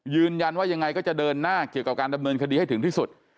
ยืนยันว่ายังไงก็จะเดินหน้าเกี่ยวกับการดำเนินคดีให้ถึงที่สุด